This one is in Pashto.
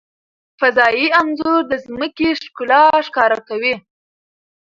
فضايي انځور د ځمکې ښکلا ښکاره کوي.